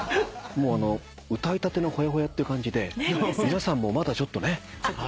歌いたてのほやほやって感じで皆さんもまだちょっと汗が。